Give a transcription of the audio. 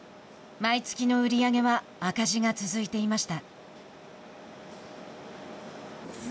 毎月の売り上げは赤字が続いていました。